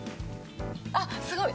あっすごい！